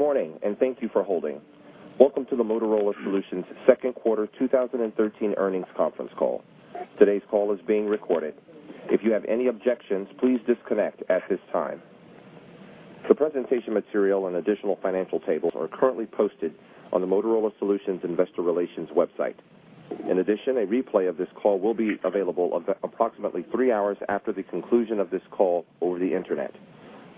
Good morning, and thank you for holding. Welcome to the Motorola Solutions second quarter 2013 earnings conference call. Today's call is being recorded. If you have any objections, please disconnect at this time. The presentation material and additional financial tables are currently posted on the Motorola Solutions investor relations website. In addition, a replay of this call will be available approximately 3 hours after the conclusion of this call over the Internet.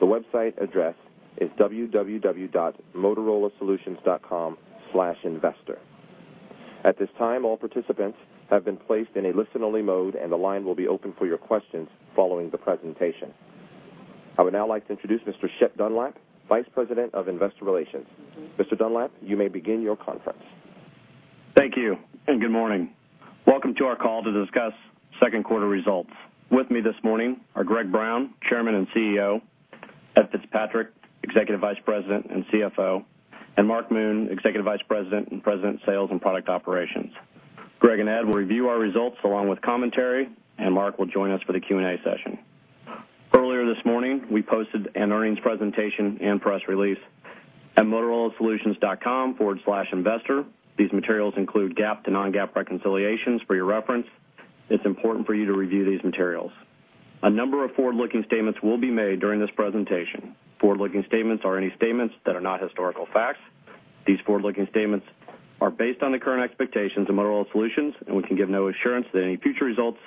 The website address is www.motorolasolutions.com/investor. At this time, all participants have been placed in a listen-only mode, and the line will be open for your questions following the presentation. I would now like to introduce Mr. Shep Dunlap, Vice President of Investor Relations. Mr. Dunlap, you may begin your conference. Thank you, and good morning. Welcome to our call to discuss second quarter results. With me this morning are Greg Brown, Chairman and CEO, Ed Fitzpatrick, Executive Vice President and CFO, and Mark Moon, Executive Vice President and President, Sales and Product Operations. Greg and Ed will review our results along with commentary, and Mark will join us for the Q&A session. Earlier this morning, we posted an earnings presentation and press release at motorolasolutions.com/investor. These materials include GAAP to non-GAAP reconciliations for your reference. It's important for you to review these materials. A number of forward-looking statements will be made during this presentation. Forward-looking statements are any statements that are not historical facts. These forward-looking statements are based on the current expectations of Motorola Solutions, and we can give no assurance that any future results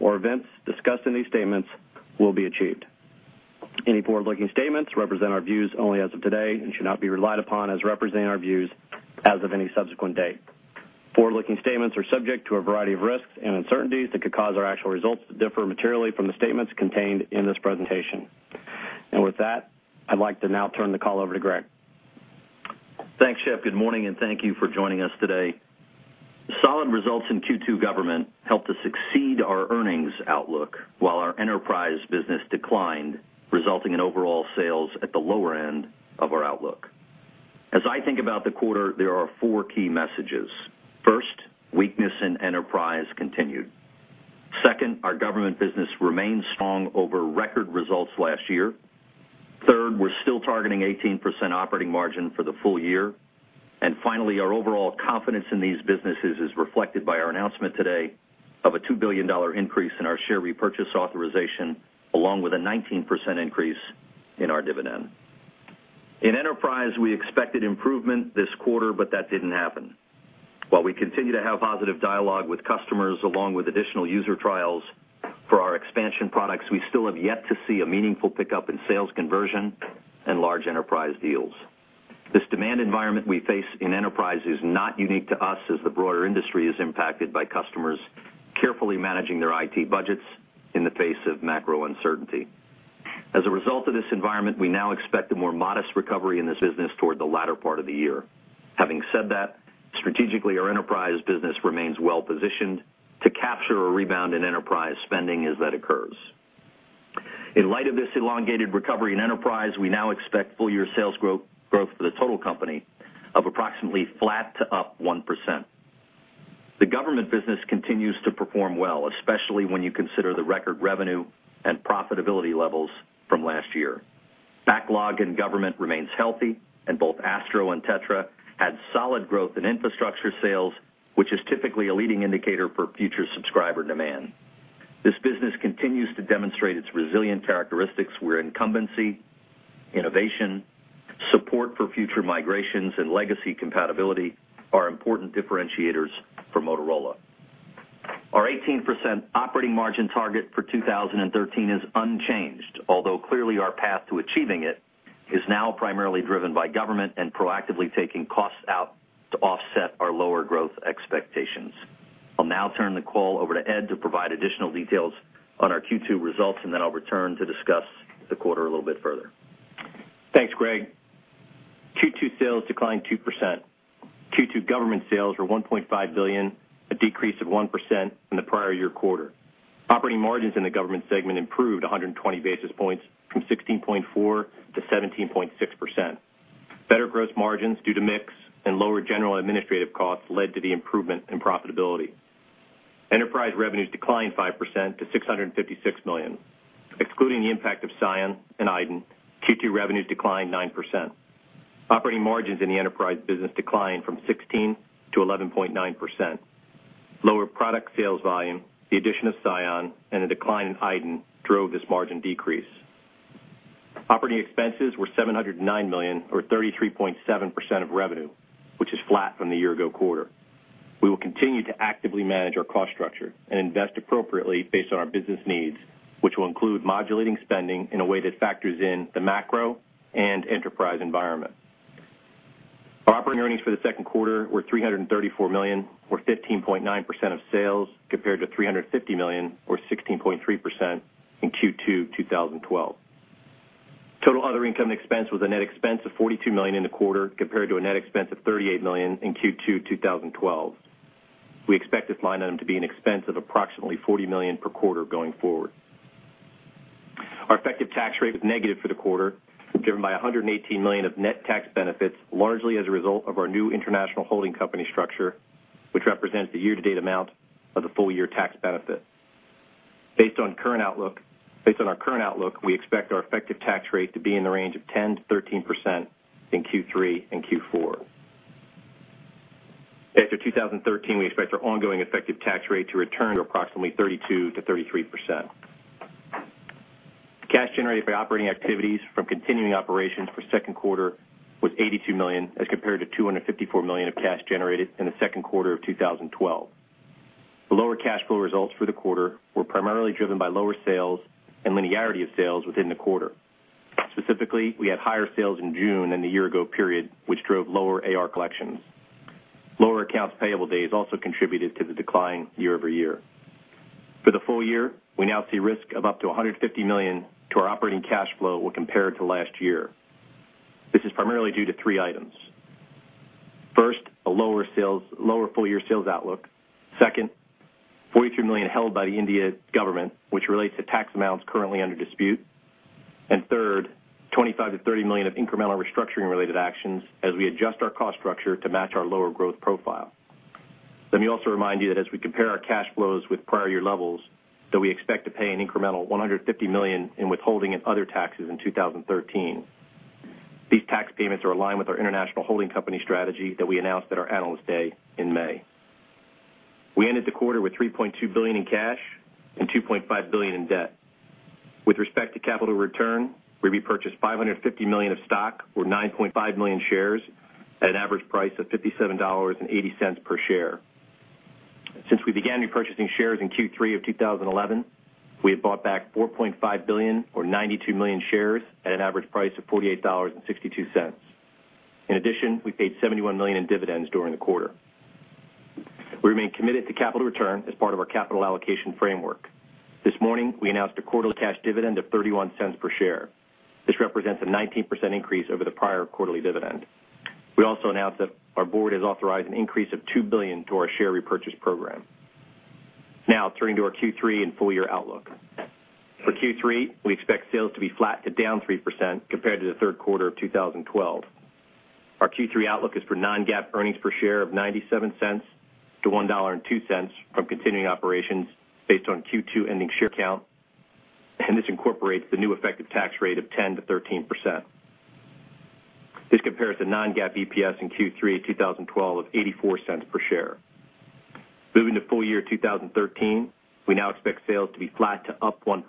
or events discussed in these statements will be achieved. Any forward-looking statements represent our views only as of today and should not be relied upon as representing our views as of any subsequent date. Forward-looking statements are subject to a variety of risks and uncertainties that could cause our actual results to differ materially from the statements contained in this presentation. With that, I'd like to now turn the call over to Greg. Thanks, Shep. Good morning, and thank you for joining us today. Solid results in Q2 Government helped us exceed our earnings outlook, while our Enterprise business declined, resulting in overall sales at the lower end of our outlook. As I think about the quarter, there are four key messages. First, weakness in Enterprise continued. Second, our Government business remains strong over record results last year. Third, we're still targeting 18% operating margin for the full year. And finally, our overall confidence in these businesses is reflected by our announcement today of a $2 billion increase in our share repurchase authorization, along with a 19% increase in our dividend. In Enterprise, we expected improvement this quarter, but that didn't happen. While we continue to have positive dialogue with customers along with additional user trials for our expansion products, we still have yet to see a meaningful pickup in sales conversion and large Enterprise deals. This demand environment we face in Enterprise is not unique to us, as the broader industry is impacted by customers carefully managing their IT budgets in the face of macro uncertainty. As a result of this environment, we now expect a more modest recovery in this business toward the latter part of the year. Having said that, strategically, our Enterprise business remains well positioned to capture a rebound in Enterprise spending as that occurs. In light of this elongated recovery in Enterprise, we now expect full year sales growth, growth for the total company of approximately flat to up 1%. The Government business continues to perform well, especially when you consider the record revenue and profitability levels from last year. Backlog in Government remains healthy, and both ASTRO and TETRA had solid growth in infrastructure sales, which is typically a leading indicator for future subscriber demand. This business continues to demonstrate its resilient characteristics, where incumbency, innovation, support for future migrations, and legacy compatibility are important differentiators for Motorola. Our 18% operating margin target for 2013 is unchanged, although clearly our path to achieving it is now primarily driven by Government and proactively taking costs out to offset our lower growth expectations. I'll now turn the call over to Ed to provide additional details on our Q2 results, and then I'll return to discuss the quarter a little bit further. Thanks, Greg. Q2 sales declined 2%. Q2 Government sales were $1.5 billion, a decrease of 1% from the prior year quarter. Operating margins in the Government segment improved 100 basis points from 16.4% to 17.6%. Better gross margins due to mix and lower general administrative costs led to the improvement in profitability. Enterprise revenues declined 5% to $656 million, excluding the impact of Psion and iDEN. Q2 revenues declined 9%. Operating margins in the Enterprise business declined from 16% to 11.9%. Lower product sales volume, the addition of Psion, and a decline in iDEN drove this margin decrease. Operating expenses were $709 million, or 33.7% of revenue, which is flat from the year ago quarter. We will continue to actively manage our cost structure and invest appropriately based on our business needs, which will include modulating spending in a way that factors in the macro and Enterprise environment. Our operating earnings for the second quarter were $334 million, or 15.9% of sales, compared to $350 million, or 16.3% in Q2 2012. Total other income and expense was a net expense of $42 million in the quarter, compared to a net expense of $38 million in Q2 2012. We expect this line item to be an expense of approximately $40 million per quarter going forward. Our effective tax rate was negative for the quarter, driven by $118 million of net tax benefits, largely as a result of our new international holding company structure, which represents the year-to-date amount of the full year tax benefit. Based on current outlook, based on our current outlook, we expect our effective tax rate to be in the range of 10%-13% in Q3 and Q4. After 2013, we expect our ongoing effective tax rate to return to approximately 32%-33%. Cash generated by operating activities from continuing operations for second quarter was $82 million, as compared to $254 million of cash generated in the second quarter of 2012. The lower cash flow results for the quarter were primarily driven by lower sales and linearity of sales within the quarter. Specifically, we had higher sales in June than the year-ago period, which drove lower AR collections. Lower accounts payable days also contributed to the decline year-over-year. For the full year, we now see risk of up to $150 million to our operating cash flow when compared to last year. This is primarily due to three items. First, a lower full-year sales outlook. Second, $43 million held by the Indian Government, which relates to tax amounts currently under dispute. And third, $25-$30 million of incremental restructuring-related actions as we adjust our cost structure to match our lower growth profile. Let me also remind you that as we compare our cash flows with prior year levels, that we expect to pay an incremental $150 million in withholding and other taxes in 2013. These tax payments are aligned with our international holding company strategy that we announced at our Analyst Day in May. We ended the quarter with $3.2 billion in cash and $2.5 billion in debt. With respect to capital return, we repurchased $550 million of stock, or 9.5 million shares, at an average price of $57.80 per share. Since we began repurchasing shares in Q3 of 2011, we have bought back $4.5 billion, or 92 million shares, at an average price of $48.62. In addition, we paid $71 million in dividends during the quarter. We remain committed to capital return as part of our capital allocation framework. This morning, we announced a quarterly cash dividend of $0.31 per share. This represents a 19% increase over the prior quarterly dividend. We also announced that our board has authorized an increase of $2 billion to our share repurchase program. Now, turning to our Q3 and full year outlook. For Q3, we expect sales to be flat to down 3% compared to the third quarter of 2012. Our Q3 outlook is for non-GAAP earnings per share of $0.97-$1.02 from continuing operations based on Q2 ending share count, and this incorporates the new effective tax rate of 10%-13%. This compares to non-GAAP EPS in Q3 of 2012 of $0.84 per share. Moving to full year 2013, we now expect sales to be flat to up 1%.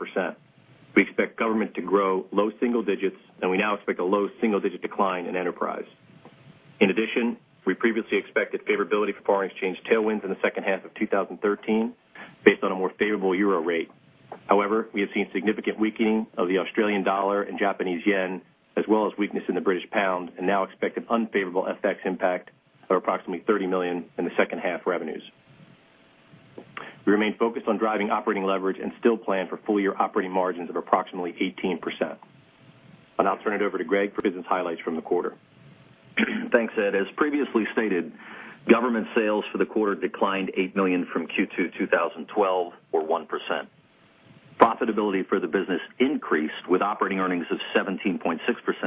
We expect Government to grow low single digits, and we now expect a low single digit decline in Enterprise. In addition, we previously expected favorability for foreign exchange tailwinds in the second half of 2013, based on a more favorable euro rate. However, we have seen significant weakening of the Australian dollar and Japanese yen, as well as weakness in the British pound, and now expect an unfavorable FX impact of approximately $30 million in the second half revenues. We remain focused on driving operating leverage and still plan for full-year operating margins of approximately 18%. I'll turn it over to Greg for business highlights from the quarter. Thanks, Ed. As previously stated, Government sales for the quarter declined $8 million from Q2 2012, or 1%. Profitability for the business increased, with operating earnings of 17.6%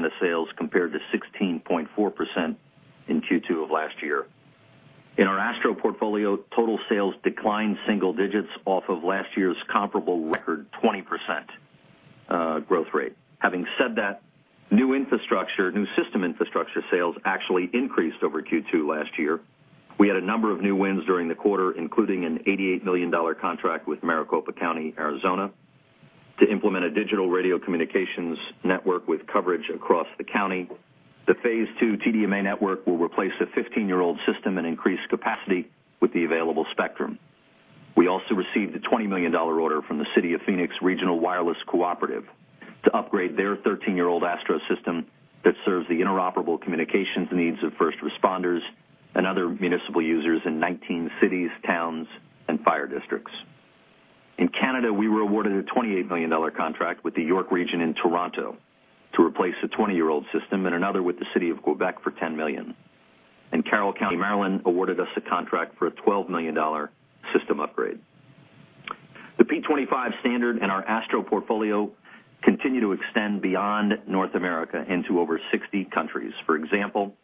of sales, compared to 16.4% in Q2 of last year. In our ASTRO portfolio, total sales declined single digits off of last year's comparable record, 20% growth rate. Having said that, new infrastructure, new system infrastructure sales actually increased over Q2 last year. We had a number of new wins during the quarter, including an $88 million contract with Maricopa County, Arizona, to implement a digital radio communications network with coverage across the county. The Phase II TDMA network will replace a 15-year-old system and increase capacity with the available spectrum. We also received a $20 million order from the city of Phoenix Regional Wireless Cooperative to upgrade their 13-year-old ASTRO system that serves the interoperable communications needs of first responders and other municipal users in 19 cities, towns, and fire districts. In Canada, we were awarded a $28 million contract with the York Region in Toronto to replace a 20-year-old system and another with the City of Quebec for $10 million. Carroll County, Maryland, awarded us a contract for a $12 million system upgrade. The P25 standard and our ASTRO portfolio continue to extend beyond North America into over 60 countries. For example,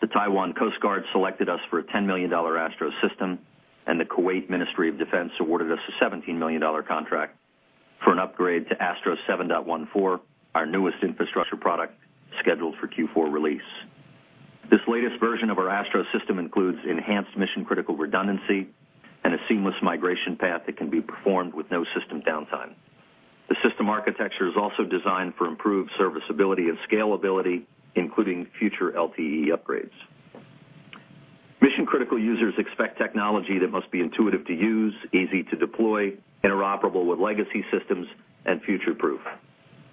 the Taiwan Coast Guard selected us for a $10 million ASTRO system, and the Kuwait Ministry of Defense awarded us a $17 million contract for an upgrade to ASTRO 7.14, our newest infrastructure product, scheduled for Q4 release. This latest version of our ASTRO system includes enhanced mission-critical redundancy and a seamless migration path that can be performed with no system downtime. The system architecture is also designed for improved serviceability and scalability, including future LTE upgrades. Mission-critical users expect technology that must be intuitive to use, easy to deploy, interoperable with legacy systems and future-proof,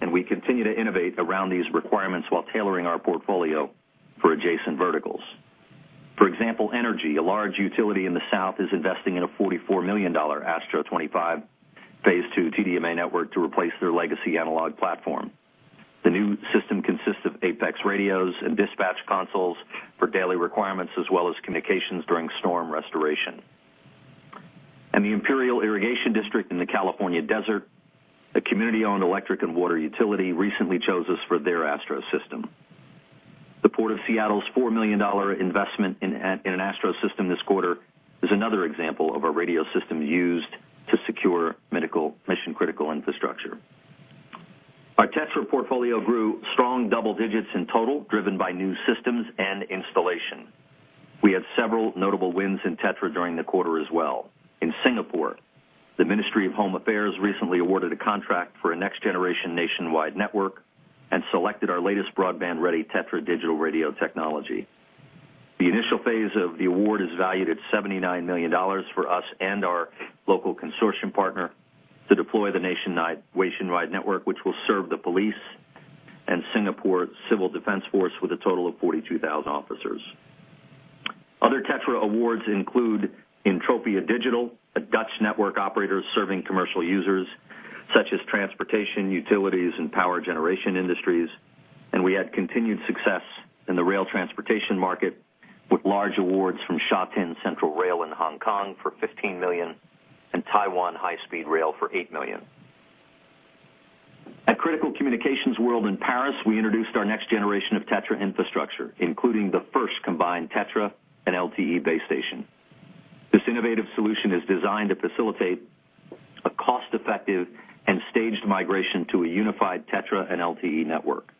and we continue to innovate around these requirements while tailoring our portfolio for adjacent verticals. For example, energy. A large utility in the South is investing in a $44 million ASTRO 25 Phase II TDMA network to replace their legacy analog platform. The new system consists of APX radios and dispatch consoles for daily requirements, as well as communications during storm restoration. The Imperial Irrigation District in the California Desert, a community-owned electric and water utility, recently chose us for their ASTRO system. The Port of Seattle's $4 million investment in an ASTRO system this quarter is another example of a radio system used to secure medical mission-critical infrastructure. Our TETRA portfolio grew strong double digits in total, driven by new systems and installation. We had several notable wins in TETRA during the quarter as well. In Singapore, the Ministry of Home Affairs recently awarded a contract for a next-generation nationwide network and selected our latest broadband-ready TETRA digital radio technology. The initial phase of the award is valued at $79 million for us and our local consortium partner to deploy the nationwide network, which will serve the police and Singapore Civil Defense Force with a total of 42,000 officers. Other TETRA awards include Entropia Digital, a Dutch network operator serving commercial users such as transportation, utilities, and power generation industries, and we had continued success in the rail transportation market, with large awards from Shatin Central Rail in Hong Kong for $15 million and Taiwan High Speed Rail for $8 million. At Critical Communications World in Paris, we introduced our next generation of TETRA infrastructure, including the first combined TETRA and LTE base station. This innovative solution is designed to facilitate a cost-effective and staged migration to a unified TETRA and LTE network.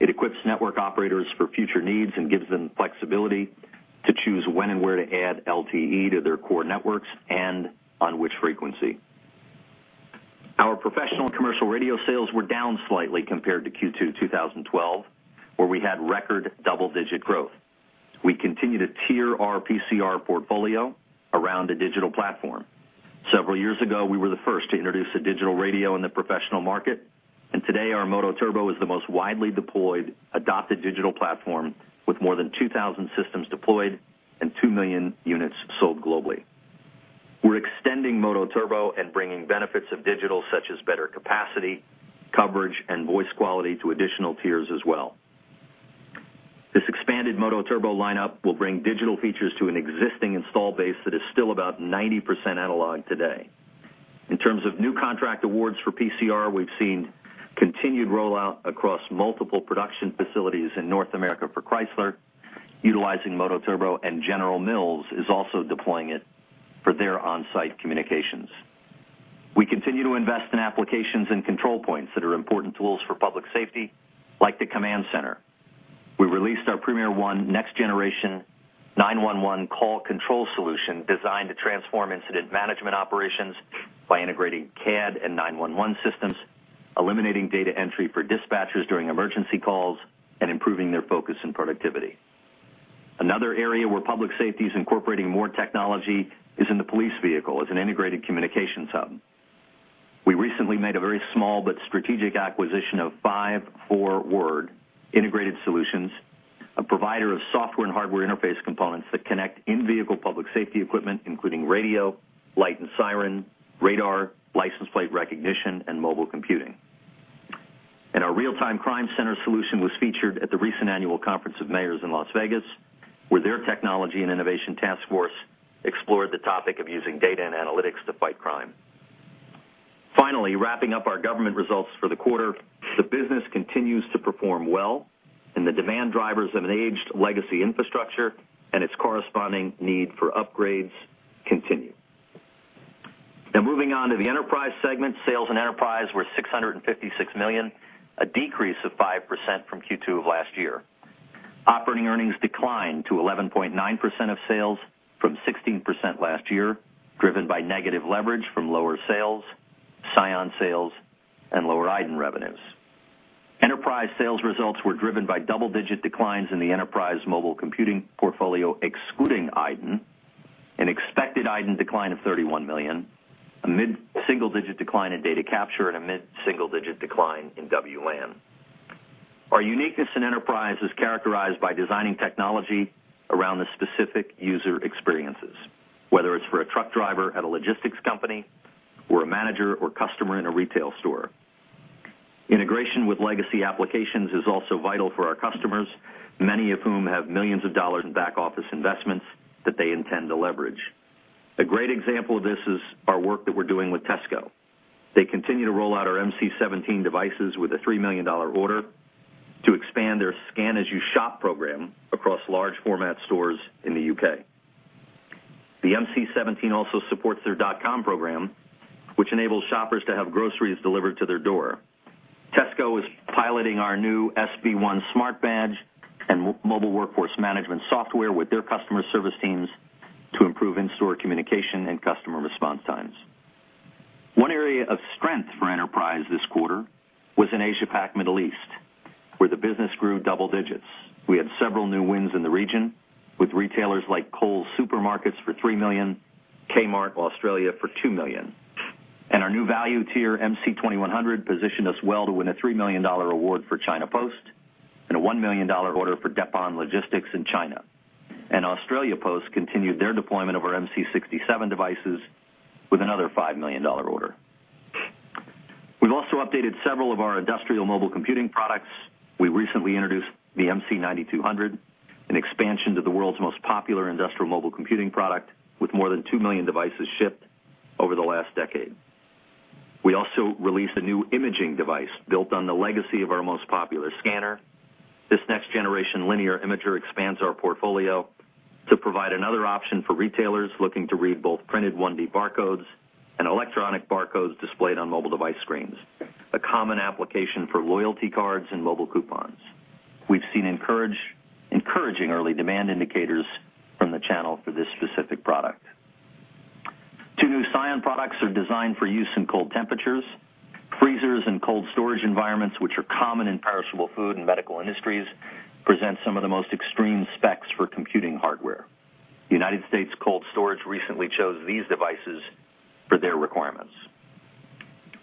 It equips network operators for future needs and gives them flexibility to choose when and where to add LTE to their core networks and on which frequency. Our professional and commercial radio sales were down slightly compared to Q2 2012, where we had record double-digit growth. We continue to tier our PCR portfolio around a digital platform. Several years ago, we were the first to introduce a digital radio in the professional market, and today, our MOTOTRBO is the most widely deployed, adopted digital platform with more than 2,000 systems deployed and 2 million units sold globally. We're extending MOTOTRBO and bringing benefits of digital, such as better capacity, coverage, and voice quality, to additional tiers as well. This expanded MOTOTRBO lineup will bring digital features to an existing install base that is still about 90% analog today. In terms of new contract awards for PCR, we've seen continued rollout across multiple production facilities in North America for Chrysler, utilizing MOTOTRBO, and General Mills is also deploying it for their on-site communications. We continue to invest in applications and control points that are important tools for public safety, like the command center. We released our PremierOne Next Generation 9-1-1 Call Control solution, designed to transform incident management operations by integrating CAD and 911 systems, eliminating data entry for dispatchers during emergency calls, and improving their focus and productivity. Another area where public safety is incorporating more technology is in the police vehicle as an integrated communication sub. We recently made a very small but strategic acquisition of 54WARD Integrated Solutions, a provider of software and hardware interface components that connect in-vehicle public safety equipment, including radio, light and siren, radar, license plate recognition, and mobile computing. And our real-time crime center solution was featured at the recent annual Conference of Mayors in Las Vegas, where their technology and innovation task force explored the topic of using data and analytics to fight crime. Finally, wrapping up our Government results for the quarter, the business continues to perform well, and the demand drivers of an aged legacy infrastructure and its corresponding need for upgrades continue. Now moving on to the Enterprise segment. Sales in Enterprise were $656 million, a decrease of 5% from Q2 of last year. Operating earnings declined to 11.9% of sales from 16% last year, driven by negative leverage from lower sales, Psion sales, and lower iDEN revenues. Enterprise sales results were driven by double-digit declines in the Enterprise mobile computing portfolio, excluding iDEN, an expected iDEN decline of $31 million, a mid-single-digit decline in data capture, and a mid-single-digit decline in WLAN. Our uniqueness in Enterprise is characterized by designing technology around the specific user experiences, whether it's for a truck driver at a logistics company or a manager or customer in a retail store. Integration with legacy applications is also vital for our customers, many of whom have millions of dollars in back-office investments that they intend to leverage. A great example of this is our work that we're doing with Tesco. They continue to roll out our MC17 devices with a $3 million order to expand their Scan as You Shop program across large format stores in the U.K. The MC17 also supports their dot com program, which enables shoppers to have groceries delivered to their door. Tesco is piloting our new SB1 Smart Badge and mobile workforce management software with their customer service teams to improve in-store communication and customer response times. One area of strength for Enterprise this quarter was in Asia Pac Middle East, where the business grew double digits. We had several new wins in the region, with retailers like Coles Supermarkets for $3 million, Kmart Australia for $2 million, and our new value tier, MC2100, positioned us well to win a $3 million award for China Post and a $1 million order for Deppon Logistics in China. Australia Post continued their deployment of our MC67 devices with another $5 million order. We've also updated several of our industrial mobile computing products. We recently introduced the MC9200, an expansion to the world's most popular industrial mobile computing product, with more than 2 million devices shipped over the last decade.... We also released a new imaging device built on the legacy of our most popular scanner. This next generation linear imager expands our portfolio to provide another option for retailers looking to read both printed 1D bar codes and electronic barcodes displayed on mobile device screens, a common application for loyalty cards and mobile coupons. We've seen encouraging early demand indicators from the channel for this specific product. Two new Psion products are designed for use in cold temperatures, freezers, and cold storage environments, which are common in perishable food and medical industries, present some of the most extreme specs for computing hardware. United States Cold Storage recently chose these devices for their requirements.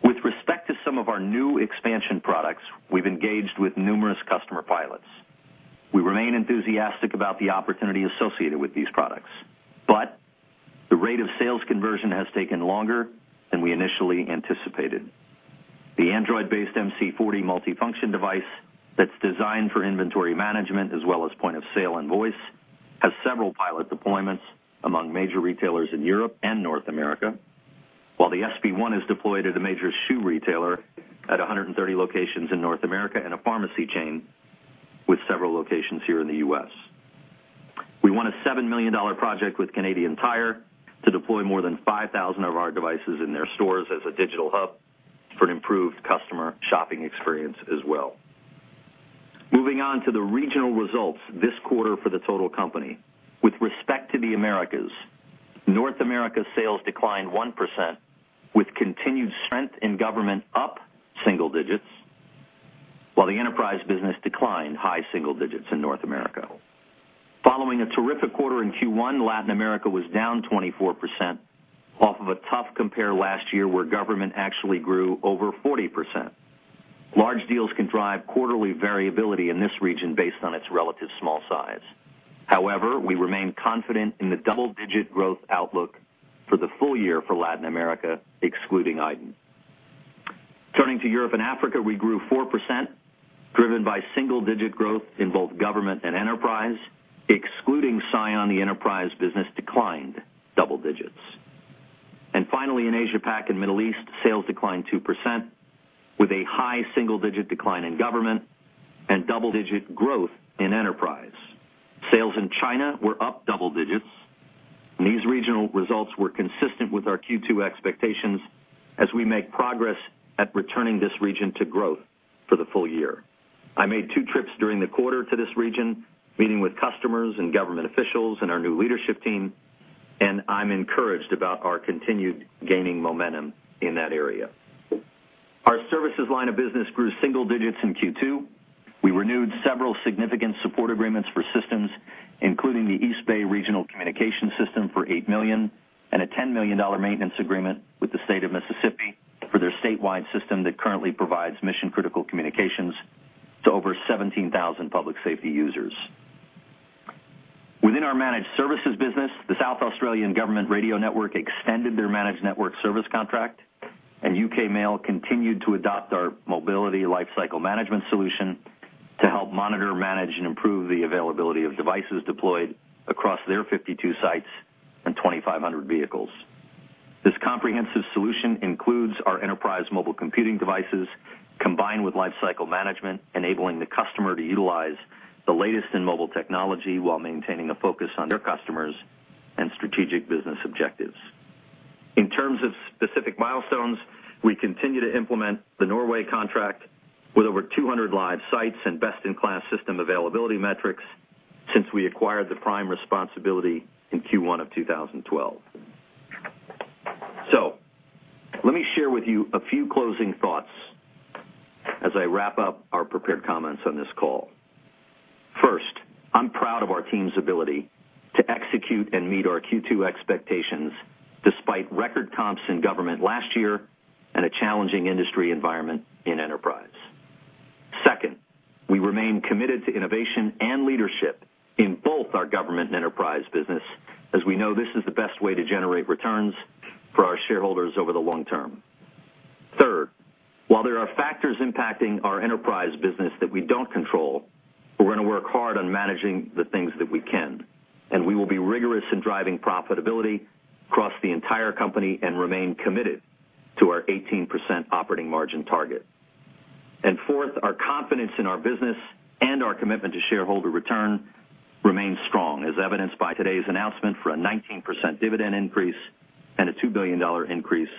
With respect to some of our new expansion products, we've engaged with numerous customer pilots. We remain enthusiastic about the opportunity associated with these products, but the rate of sales conversion has taken longer than we initially anticipated. The Android-based MC40 multifunction device that's designed for inventory management as well as point of sale and voice has several pilot deployments among major retailers in Europe and North America, while the SB1 is deployed at a major shoe retailer at 130 locations in North America and a pharmacy chain with several locations here in the U.S. We won a $7 million project with Canadian Tire to deploy more than 5,000 of our devices in their stores as a digital hub for an improved customer shopping experience as well. Moving on to the regional results this quarter for the total company. With respect to the Americas, North America sales declined 1%, with continued strength in Government up single digits, while the Enterprise business declined high single digits in North America. Following a terrific quarter in Q1, Latin America was down 24% off of a tough compare last year, where Government actually grew over 40%. Large deals can drive quarterly variability in this region based on its relative small size. However, we remain confident in the double-digit growth outlook for the full year for Latin America, excluding iDEN. Turning to Europe and Africa, we grew 4%, driven by single-digit growth in both Government and Enterprise. Excluding Psion, the Enterprise business declined double digits. And finally, in Asia Pac and Middle East, sales declined 2%, with a high single-digit decline in Government and double-digit growth in Enterprise. Sales in China were up double digits, and these regional results were consistent with our Q2 expectations as we make progress at returning this region to growth for the full year. I made two trips during the quarter to this region, meeting with customers and government officials and our new leadership team, and I'm encouraged about our continued gaining momentum in that area. Our services line of business grew single digits in Q2. We renewed several significant support agreements for systems, including the East Bay Regional Communications System, for $8 million and a $10 million maintenance agreement with the state of Mississippi for their statewide system that currently provides mission-critical communications to over 17,000 public safety users. Within our managed services business, the South Australian Government Radio Network extended their managed network service contract, and U.K. Mail continued to adopt our mobility lifecycle management solution to help monitor, manage, and improve the availability of devices deployed across their 52 sites and 2,500 vehicles. This comprehensive solution includes our Enterprise mobile computing devices, combined with lifecycle management, enabling the customer to utilize the latest in mobile technology while maintaining a focus on their customers and strategic business objectives. In terms of specific milestones, we continue to implement the Norway contract with over 200 live sites and best-in-class system availability metrics since we acquired the prime responsibility in Q1 of 2012. So let me share with you a few closing thoughts as I wrap up our prepared comments on this call. First, I'm proud of our team's ability to execute and meet our Q2 expectations, despite record comps in Government last year and a challenging industry environment in Enterprise. Second, we remain committed to innovation and leadership in both our Government and Enterprise business, as we know this is the best way to generate returns for our shareholders over the long term. Third, while there are factors impacting our Enterprise business that we don't control, we're going to work hard on managing the things that we can, and we will be rigorous in driving profitability across the entire company and remain committed to our 18% operating margin target. And fourth, our confidence in our business and our commitment to shareholder return remains strong, as evidenced by today's announcement for a 19% dividend increase and a $2 billion increase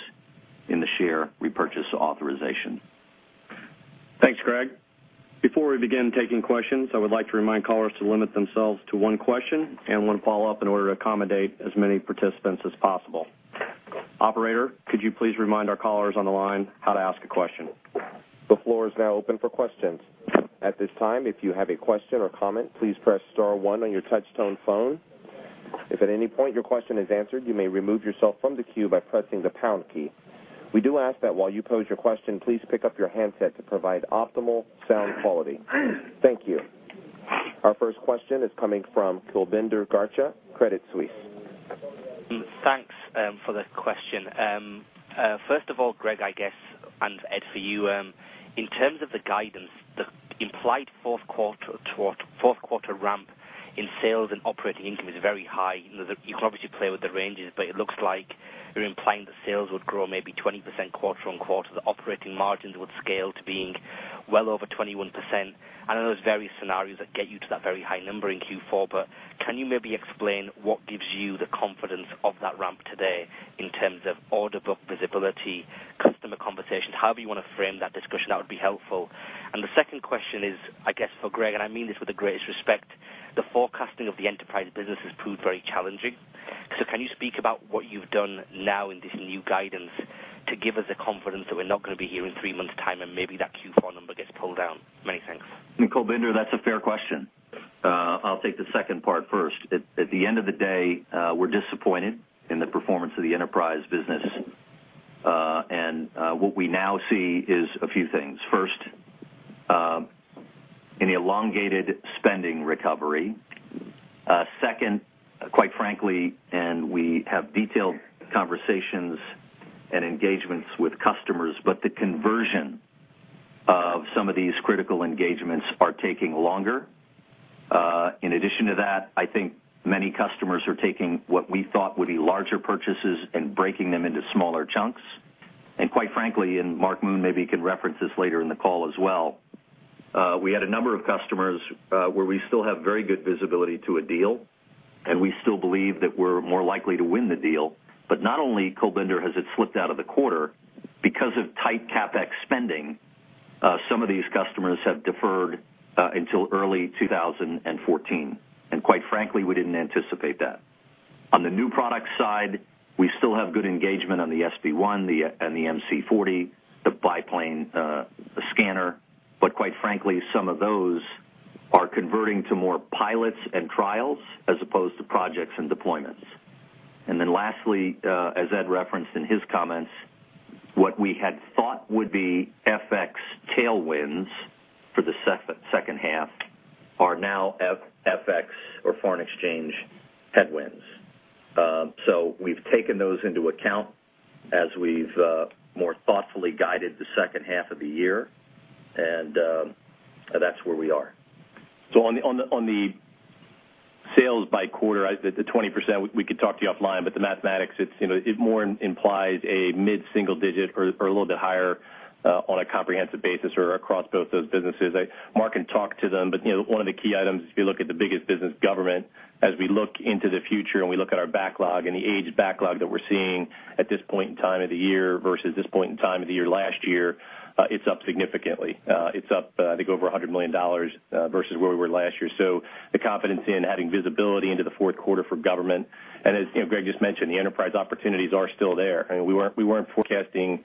in the share repurchase authorization. Thanks, Greg. Before we begin taking questions, I would like to remind callers to limit themselves to one question and one follow-up in order to accommodate as many participants as possible. Operator, could you please remind our callers on the line how to ask a question? The floor is now open for questions. At this time, if you have a question or comment, please press star one on your touchtone phone. If at any point your question is answered, you may remove yourself from the queue by pressing the pound key. We do ask that while you pose your question, please pick up your handset to provide optimal sound quality. Thank you. Our first question is coming from Kulbinder Garcha, Credit Suisse. Thanks for the question. First of all, Greg, I guess, and Ed, for you, in terms of the guidance, the implied fourth quarter ramp in sales and operating income is very high. You know, you can obviously play with the ranges, but it looks like you're implying that sales would grow maybe 20% quarter-over-quarter, the operating margins would scale to being well over 21%. I know there's various scenarios that get you to that very high number in Q4, but can you maybe explain what gives you the confidence of that ramp today in terms of order book visibility, customer conversations? However you want to frame that discussion, that would be helpful. And the second question is, I guess, for Greg, and I mean this with the greatest respect. The forecasting of the Enterprise business has proved very challenging. So can you speak about what you've done now in this new guidance to give us the confidence that we're not going to be here in three months' time and maybe that Q4 number gets pulled down? Many thanks. Kulbinder, that's a fair question. I'll take the second part first. At the end of the day, we're disappointed in the performance of the Enterprise business, and what we now see is a few things. First, an elongated spending recovery. Second, quite frankly, and we have detailed conversations and engagements with customers, but the conversion of some of these critical engagements are taking longer. In addition to that, I think many customers are taking what we thought would be larger purchases and breaking them into smaller chunks. And quite frankly, and Mark Moon maybe can reference this later in the call as well, we had a number of customers, where we still have very good visibility to a deal, and we still believe that we're more likely to win the deal. But not only, Kulbinder, has it slipped out of the quarter, because of tight CapEx spending, some of these customers have deferred until early 2014. And quite frankly, we didn't anticipate that. On the new product side, we still have good engagement on the SB1, the, and the MC40, the barcode scanner. But quite frankly, some of those are converting to more pilots and trials as opposed to projects and deployments. And then lastly, as Ed referenced in his comments, what we had thought would be FX tailwinds for the second half are now FX or foreign exchange headwinds. So we've taken those into account as we've more thoughtfully guided the second half of the year, and that's where we are. So on the sales by quarter, the 20%, we could talk to you offline, but the mathematics, it's, you know, it more implies a mid-single digit or a little bit higher on a comprehensive basis or across both those businesses. Mark can talk to them, but, you know, one of the key items, if you look at the biggest business, Government, as we look into the future and we look at our backlog and the aged backlog that we're seeing at this point in time of the year versus this point in time of the year last year, it's up significantly. It's up, I think over $100 million versus where we were last year. So the confidence in adding visibility into the fourth quarter for Government, and as, you know, Greg just mentioned, the Enterprise opportunities are still there. I mean, we weren't, we weren't forecasting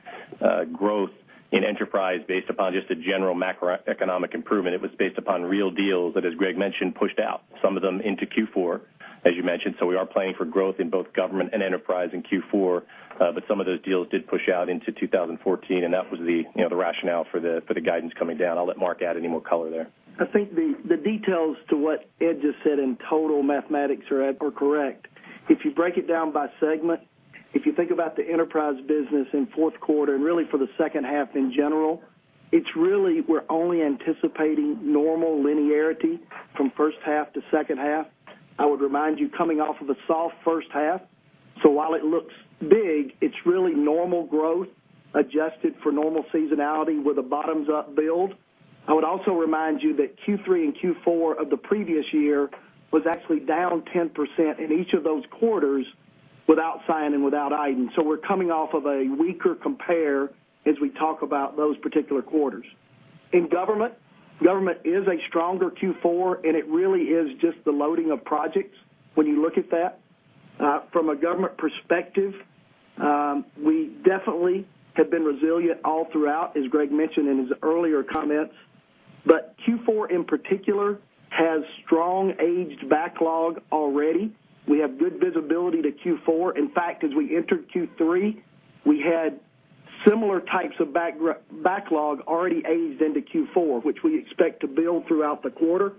growth in Enterprise based upon just a general macroeconomic improvement. It was based upon real deals that, as Greg mentioned, pushed out some of them into Q4, as you mentioned. So we are planning for growth in both Government and Enterprise in Q4, but some of those deals did push out into 2014, and that was the, you know, the rationale for the, for the guidance coming down. I'll let Mark add any more color there. I think the details to what Ed just said in total mathematics are correct. If you break it down by segment, if you think about the Enterprise business in fourth quarter and really for the second half in general, it's really we're only anticipating normal linearity from first half to second half. I would remind you, coming off of a soft first half, so while it looks big, it's really normal growth adjusted for normal seasonality with a bottoms-up build. I would also remind you that Q3 and Q4 of the previous year was actually down 10% in each of those quarters without Psion and without iDEN. So we're coming off of a weaker compare as we talk about those particular quarters. In Government, Government is a stronger Q4, and it really is just the loading of projects when you look at that. From a Government perspective, we definitely have been resilient all throughout, as Greg mentioned in his earlier comments. But Q4, in particular, has strong aged backlog already. We have good visibility to Q4. In fact, as we entered Q3, we had similar types of backlog already aged into Q4, which we expect to build throughout the quarter.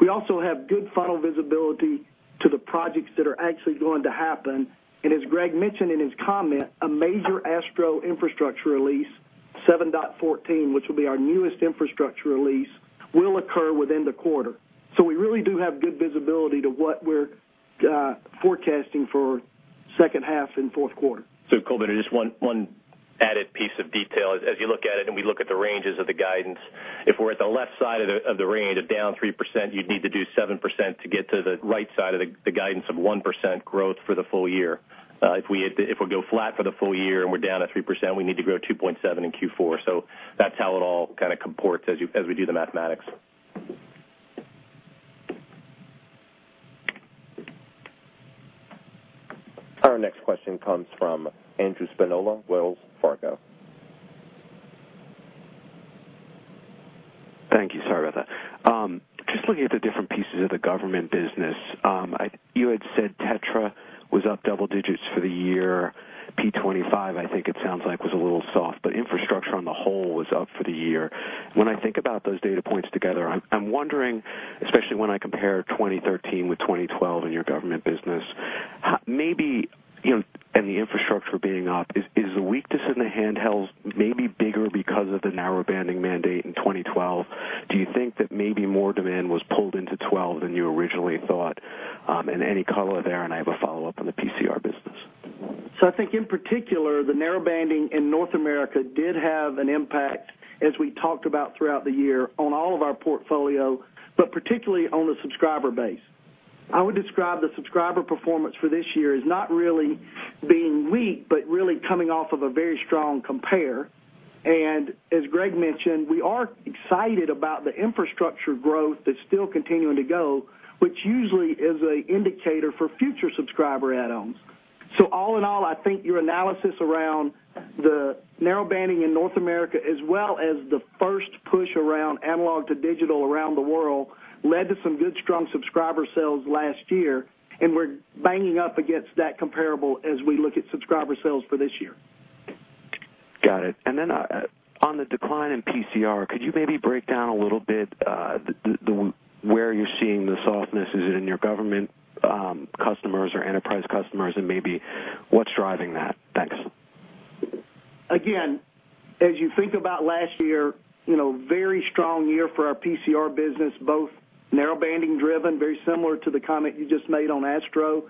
We also have good funnel visibility to the projects that are actually going to happen. And as Greg mentioned in his comment, a major ASTRO infrastructure release, 7.14, which will be our newest infrastructure release, will occur within the quarter. So we really do have good visibility to what we're forecasting for second half and fourth quarter. So Kulbinder, just one added piece of detail. As you look at it, and we look at the ranges of the guidance, if we're at the left side of the range of down 3%, you'd need to do 7% to get to the right side of the guidance of 1% growth for the full year. If we go flat for the full year and we're down 3%, we need to grow 2.7% in Q4. So that's how it all kind of comports as we do the mathematics. Our next question comes from Andrew Spinola, Wells Fargo. Thank you. Sorry about that. Just looking at the different pieces of the Government business, you had said TETRA was up double digits for the year. P25, I think it sounds like, was a little soft, but infrastructure on the whole was up for the year. When I think about those data points together, I'm wondering, especially when I compare 2013 with 2012 in your Government busness. Maybe, you know, and the infrastructure being up, is the weakness in the handhelds maybe bigger because of the narrowbanding mandate in 2012? Do you think that maybe more demand was pulled into 2012 than you originally thought? And any color there, and I have a follow-up on the PCR business. So I think in particular, the narrowbanding in North America did have an impact, as we talked about throughout the year, on all of our portfolio, but particularly on the subscriber base. I would describe the subscriber performance for this year as not really being weak, but really coming off of a very strong compare. And as Greg mentioned, we are excited about the infrastructure growth that's still continuing to go, which usually is an indicator for future subscriber add-ons. So all in all, I think your analysis around the narrowbanding in North America, as well as the first push around analog-to-digital around the world, led to some good, strong subscriber sales last year, and we're banging up against that comparable as we look at subscriber sales for this year. Got it. And then, on the decline in PCR, could you maybe break down a little bit, where you're seeing the softness? Is it in your Government customers or Enterprise customers, and maybe what's driving that? Thanks. Again, as you think about last year, you know, very strong year for our PCR business, both narrowbanding driven, very similar to the comment you just made on ASTRO,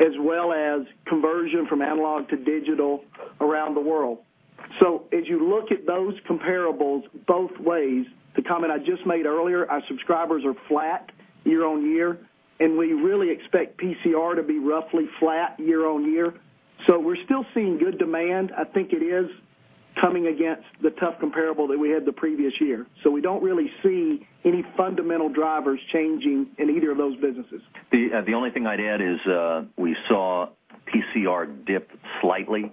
as well as conversion from analog to digital around the world. So as you look at those comparables both ways, the comment I just made earlier, our subscribers are flat year on year, and we really expect PCR to be roughly flat year on year. So we're still seeing good demand. I think it is coming against the tough comparable that we had the previous year. So we don't really see any fundamental drivers changing in either of those businesses. The only thing I'd add is we saw PCR dip slightly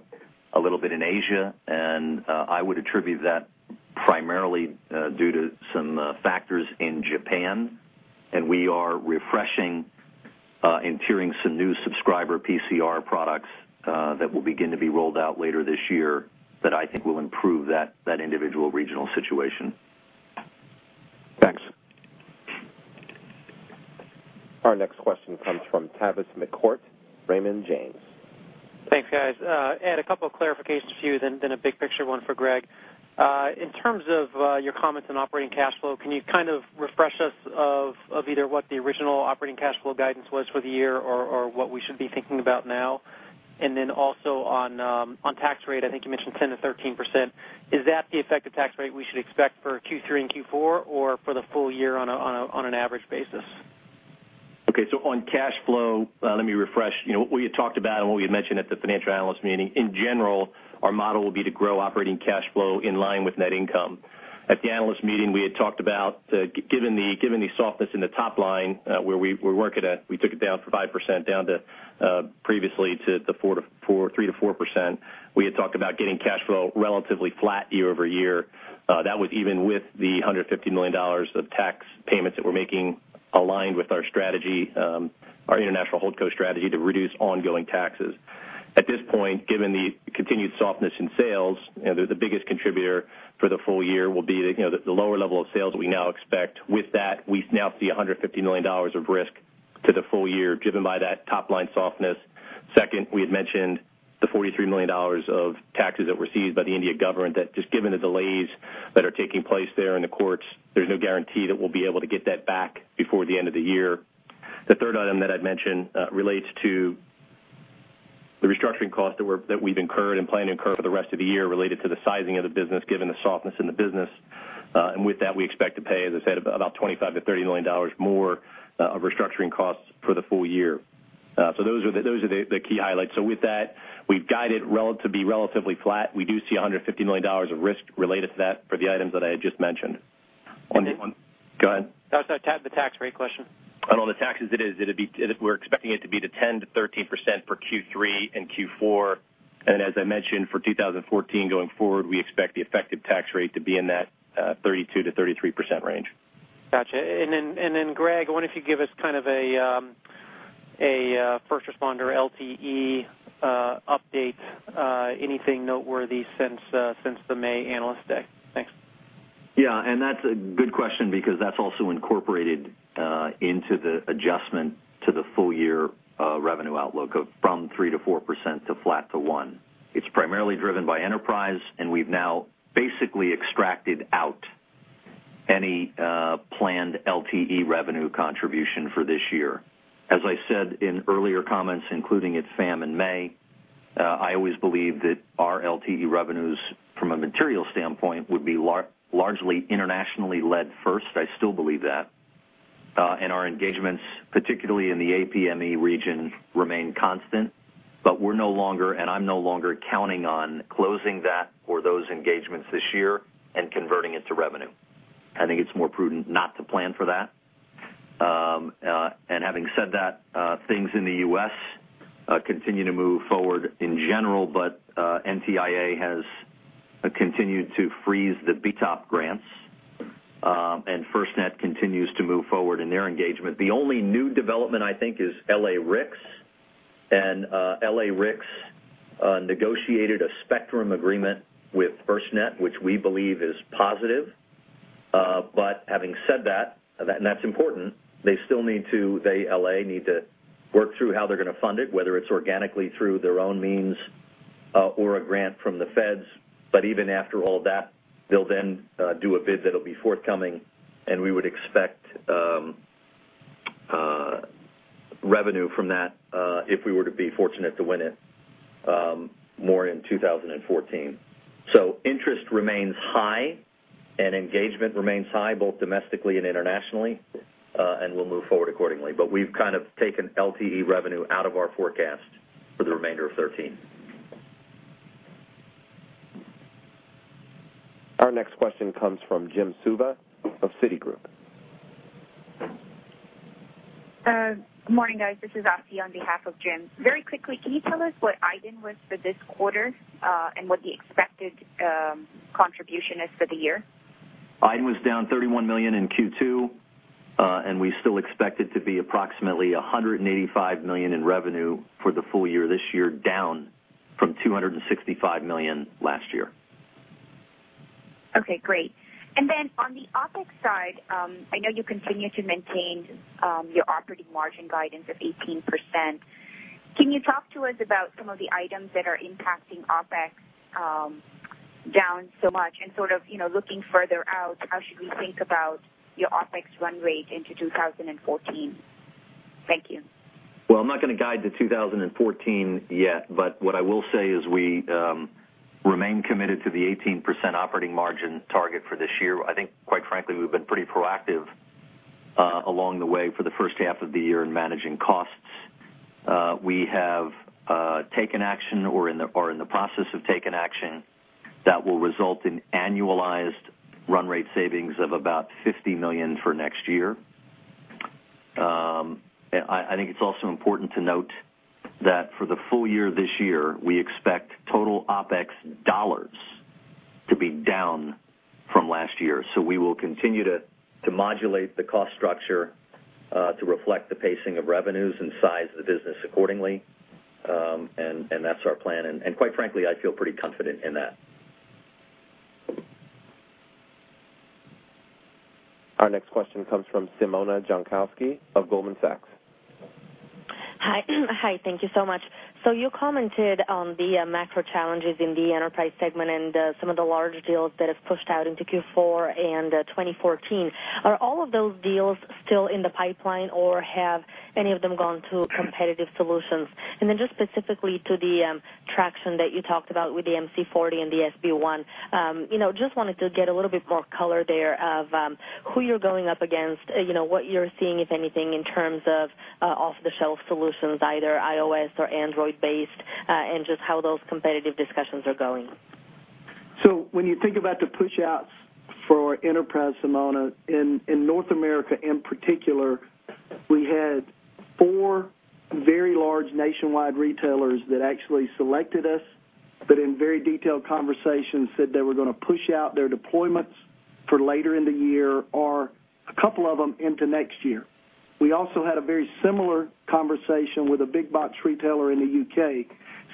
a little bit in Asia, and I would attribute that primarily due to some factors in Japan. We are refreshing and tiering some new subscriber PCR products that will begin to be rolled out later this year that I think will improve that, that individual regional situation. Thanks. Our next question comes from Tavis McCourt, Raymond James. Thanks, guys. I had a couple of clarifications for you, then a big picture one for Greg. In terms of your comments on operating cash flow, can you kind of refresh us of either what the original operating cash flow guidance was for the year or what we should be thinking about now? And then also on tax rate, I think you mentioned 10%-13%. Is that the effective tax rate we should expect for Q3 and Q4, or for the full year on an average basis? Okay, so on cash flow, let me refresh. You know, what we had talked about and what we had mentioned at the financial analyst meeting, in general, our model will be to grow operating cash flow in line with net income. At the analyst meeting, we had talked about, given the softness in the top line, where we're working at, we took it down from 5% down to, previously to the 3%-4%. We had talked about getting cash flow relatively flat year-over-year. That was even with the $150 million of tax payments that we're making, aligned with our strategy, our international holdco strategy to reduce ongoing taxes. At this point, given the continued softness in sales, and the biggest contributor for the full year will be the, you know, the lower level of sales we now expect. With that, we now see $150 million of risk to the full year, driven by that top-line softness. Second, we had mentioned the $43 million of taxes that were seized by the Indian government, that just given the delays that are taking place there in the courts, there's no guarantee that we'll be able to get that back before the end of the year. The third item that I'd mention relates to the restructuring costs that we're, that we've incurred and plan to incur for the rest of the year related to the sizing of the business, given the softness in the business. And with that, we expect to pay, as I said, about $25 million-$30 million more of restructuring costs for the full year. So those are the, those are the, the key highlights. So with that, we've guided to be relatively flat. We do see $150 million of risk related to that for the items that I had just mentioned. On that one- Go ahead. Oh, sorry, the tax rate question. On all the taxes, it is. It'll be. We're expecting it to be the 10%-13% for Q3 and Q4. And as I mentioned, for 2014 going forward, we expect the effective tax rate to be in that 32%-33% range. Gotcha. And then, Greg, I wonder if you give us kind of a first responder LTE update, anything noteworthy since the May Analyst Day. Thanks. Yeah, and that's a good question because that's also incorporated into the adjustment to the full year revenue outlook from 3%-4% to flat to 1%. It's primarily driven by Enterprise, and we've now basically extracted out any planned LTE revenue contribution for this year. As I said in earlier comments, including at FAM in May, I always believed that our LTE revenues, from a material standpoint, would be largely internationally led first. I still believe that, and our engagements, particularly in the APME region, remain constant. But we're no longer, and I'm no longer counting on closing that or those engagements this year and converting it to revenue. I think it's more prudent not to plan for that. Having said that, things in the U.S. continue to move forward in general, but NTIA has continued to freeze the BTOP grants, and FirstNet continues to move forward in their engagement. The only new development, I think, is LA-RICS. And LA-RICS negotiated a spectrum agreement with FirstNet, which we believe is positive. But having said that, and that's important, they still need to, they, LA, need to work through how they're gonna fund it, whether it's organically through their own means, or a grant from the feds. But even after all that, they'll then do a bid that'll be forthcoming, and we would expect revenue from that, if we were to be fortunate to win it, more in 2014. Interest remains high, and engagement remains high, both domestically and internationally, and we'll move forward accordingly. But we've kind of taken LTE revenue out of our forecast for the remainder of 2013. Our next question comes from Jim Suva of Citigroup. Good morning, guys. This is Ashwin on behalf of Jim. Very quickly, can you tell us what iDEN was for this quarter, and what the expected contribution is for the year? iDEN was down $31 million in Q2, and we still expect it to be approximately $185 million in revenue for the full year this year, down from $265 million last year. Okay, great. And then on the OpEx side, I know you continue to maintain your operating margin guidance of 18%. Can you talk to us about some of the items that are impacting OpEx down so much? And sort of, you know, looking further out, how should we think about your OpEx run rate into 2014? Thank you. Well, I'm not gonna guide to 2014 yet, but what I will say is we remain committed to the 18% operating margin target for this year. I think, quite frankly, we've been pretty proactive along the way for the first half of the year in managing costs. We have taken action or in the process of taking action that will result in annualized run rate savings of about $50 million for next year. I think it's also important to note that for the full year this year, we expect total OpEx dollars to be down from last year. So we will continue to modulate the cost structure to reflect the pacing of revenues and size the business accordingly. And that's our plan. And quite frankly, I feel pretty confident in that. Our next question comes from Simona Jankowski of Goldman Sachs. Hi. Hi, thank you so much. So you commented on the macro challenges in the Enterprise segment and some of the large deals that have pushed out into Q4 and 2014. Are all of those deals still in the pipeline, or have any of them gone to competitive solutions? And then just specifically to the traction that you talked about with the MC40 and the SB1, you know, just wanted to get a little bit more color there of who you're going up against, you know, what you're seeing, if anything, in terms of off-the-shelf solutions, either iOS or Android-based, and just how those competitive discussions are going. So when you think about the pushouts for Enterprise, Simona, in North America, in particular, we had four very large nationwide retailers that actually selected us, but in very detailed conversations, said they were gonna push out their deployments for later in the year or a couple of them into next year. We also had a very similar conversation with a big box retailer in the U.K.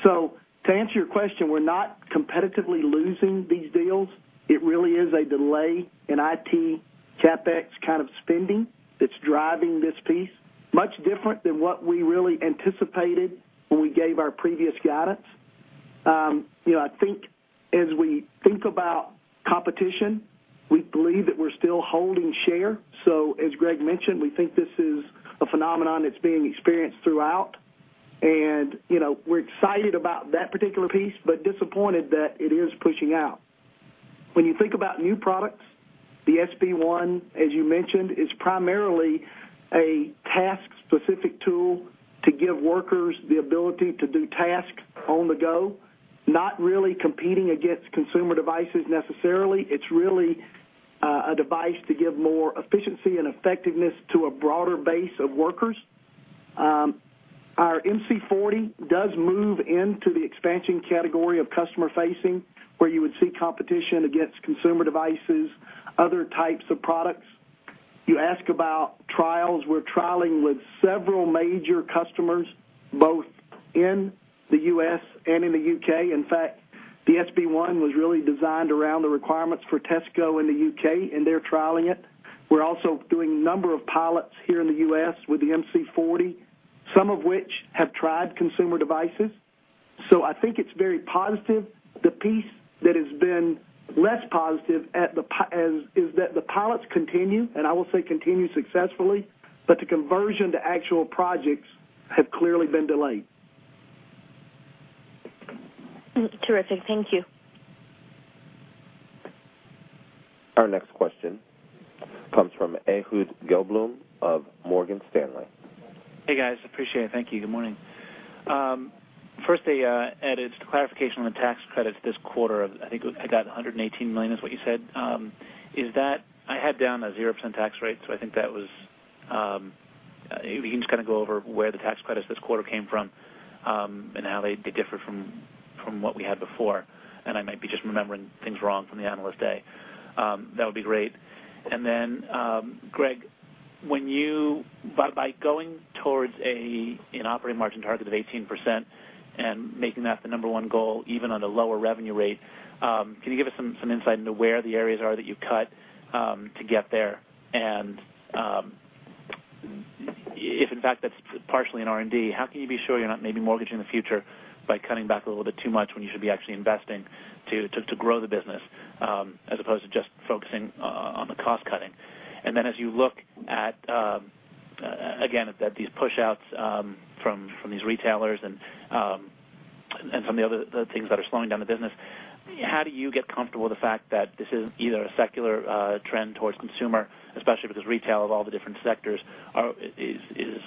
So to answer your question, we're not competitively losing these deals. It really is a delay in IT CapEx kind of spending that's driving this piece, much different than what we really anticipated when we gave our previous guidance. You know, I think as we think about competition, we believe that we're still holding share. So, as Greg mentioned, we think this is a phenomenon that's being experienced throughout. You know, we're excited about that particular piece, but disappointed that it is pushing out. When you think about new products, the SB1, as you mentioned, is primarily a task-specific tool to give workers the ability to do tasks on the go, not really competing against consumer devices necessarily. It's really a device to give more efficiency and effectiveness to a broader base of workers. Our MC40 does move into the expansion category of customer facing, where you would see competition against consumer devices, other types of products. You ask about trials. We're trialing with several major customers, both in the U.S. and in the U.K. In fact, the SB1 was really designed around the requirements for Tesco in the U.K., and they're trialing it. We're also doing a number of pilots here in the U.S. with the MC40, some of which have tried consumer devices. I think it's very positive. The piece that has been less positive at the aspect is that the pilots continue, and I will say continue successfully, but the conversion to actual projects have clearly been delayed. Terrific. Thank you. Our next question comes from Ehud Gelblum of Morgan Stanley. Hey, guys, appreciate it. Thank you. Good morning. First, Ed, it's the clarification on the tax credits this quarter. I think about $118 million is what you said. Is that... I had down a 0% tax rate, so I think that was, if you can just kind of go over where the tax credits this quarter came from, and how they differ from what we had before, and I might be just remembering things wrong from the Analyst Day. That would be great. And then, Greg, when you, by going towards an operating margin target of 18% and making that the number one goal, even on a lower revenue rate, can you give us some insight into where the areas are that you cut to get there? And, if in fact, that's partially in R&D, how can you be sure you're not maybe mortgaging the future by cutting back a little bit too much when you should be actually investing to grow the business, as opposed to just focusing on the cost cutting? And then as you look at, again, at these pushouts, from these retailers and some of the other things that are slowing down the business, how do you get comfortable with the fact that this is either a secular trend towards consumer, especially because retail of all the different sectors is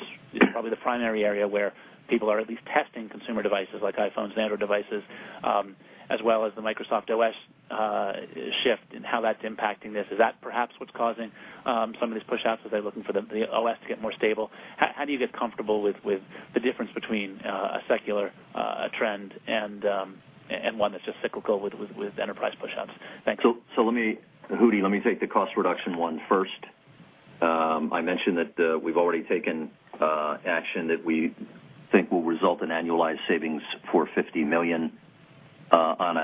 probably the primary area where people are at least testing consumer devices like iPhones and Android devices, as well as the Microsoft OS shift and how that's impacting this. Is that perhaps what's causing some of these pushouts as they're looking for the OS to get more stable? How do you get comfortable with the difference between a secular trend and one that's just cyclical with Enterprise pushouts? Thanks. Let me, Ehud, let me take the cost reduction one first. I mentioned that we've already taken action that we think will result in annualized savings for $50 million on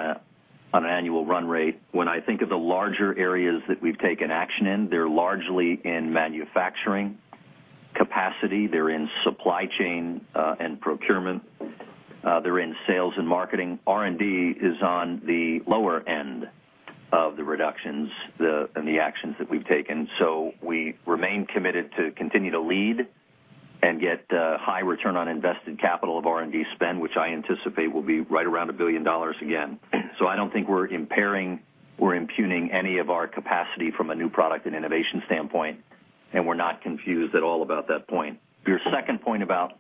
an annual run rate. When I think of the larger areas that we've taken action in, they're largely in manufacturing capacity, they're in supply chain and procurement, they're in sales and marketing. R&D is on the lower end of the reductions, the, and the actions that we've taken. So we remain committed to continue to lead and get high return on invested capital of R&D spend, which I anticipate will be right around $1 billion again. So I don't think we're impairing or impugning any of our capacity from a new product and innovation standpoint, and we're not confused at all about that point. Your second point about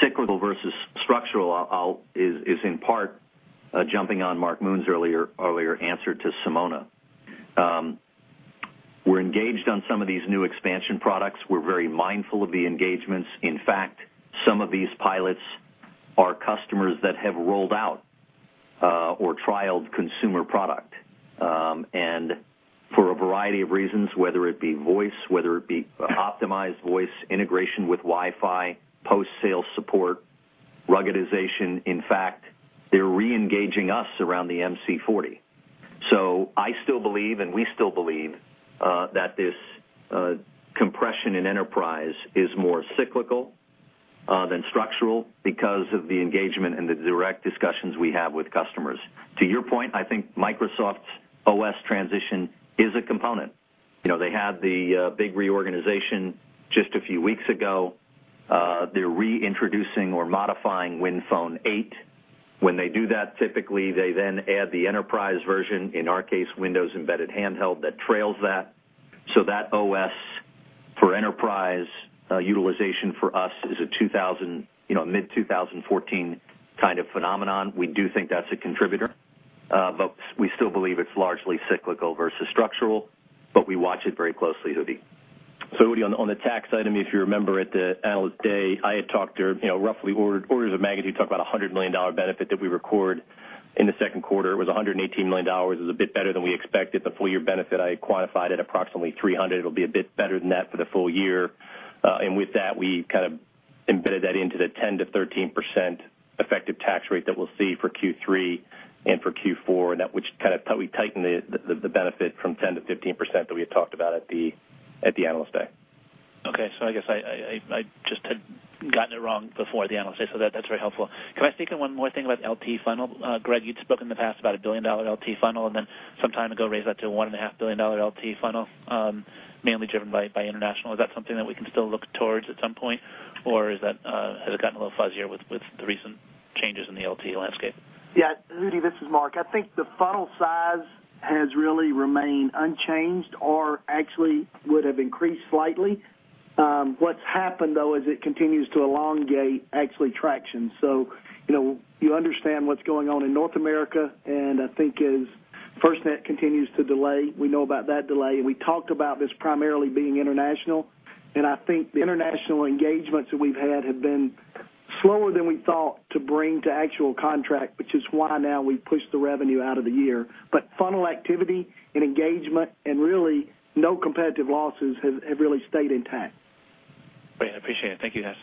cyclical versus structural, I'll is in part jumping on Mark Moon's earlier answer to Simona. We're engaged on some of these new expansion products. We're very mindful of the engagements. In fact, some of these pilots are customers that have rolled out or trialed consumer product and for a variety of reasons, whether it be voice, whether it be optimized voice, integration with Wi-Fi, post-sale support, ruggedization. In fact, they're reengaging us around the MC40. So I still believe, and we still believe, that this compression in Enterprise is more cyclical than structural because of the engagement and the direct discussions we have with customers. To your point, I think Microsoft's OS transition is a component. You know, they had the big reorganization just a few weeks ago. They're reintroducing or modifying Windows Phone 8. When they do that, typically, they then add the Enterprise version, in our case, Windows Embedded Handheld, that trails that. So that OS for Enterprise utilization for us is a 2014, you know, mid-2014 kind of phenomenon. We do think that's a contributor, but we still believe it's largely cyclical versus structural, but we watch it very closely, Ehud. So, on the tax item, if you remember at the Analyst Day, I had talked to, you know, roughly orders of magnitude, talked about a $100 million benefit that we record in the second quarter. It was a $118 million. It was a bit better than we expected. The full year benefit, I had quantified at approximately $300. It'll be a bit better than that for the full year. And with that, we kind of embedded that into the 10%-13% effective tax rate that we'll see for Q3 and for Q4, and that which kind of probably tightened the benefit from 10%-15% that we had talked about at the Analyst Day. Okay. So I guess I just had gotten it wrong before the Analyst Day, so that's very helpful. Can I speak on one more thing about LTE funnel? Greg, you'd spoken in the past about a $1 billion LTE funnel, and then some time ago, raised that to a $1.5 billion LTE funnel, mainly driven by international. Is that something that we can still look towards at some point, or is that, has it gotten a little fuzzier with the recent changes in the LTE landscape? Yeah, Ehud, this is Mark. I think the funnel size has really remained unchanged or actually would have increased slightly. What's happened, though, is it continues to elongate actually traction. So, you know, you understand what's going on in North America, and I think as FirstNet continues to delay, we know about that delay, and we talked about this primarily being international. And I think the international engagements that we've had have been slower than we thought to bring to actual contract, which is why now we've pushed the revenue out of the year. But funnel activity and engagement and really no competitive losses have really stayed intact. Great, I appreciate it. Thank you, guys.